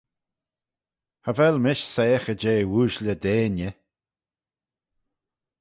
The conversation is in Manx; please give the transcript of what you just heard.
Cha vel mish soiaghey jeh ooashley deiney.